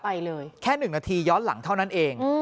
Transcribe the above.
ไปเลยแค่๑นาทีย้อนหลังเท่านั้นเอง